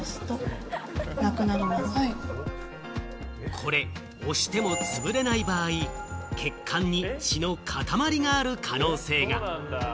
これ、押しても潰れない場合、血管に血のかたまりがある可能性が。